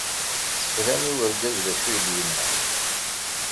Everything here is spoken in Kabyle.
Teslamt i urgaz d acu ay d-yenna.